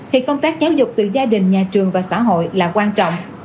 thì công tác giáo dục từ gia đình nhà trường và xã hội là quan trọng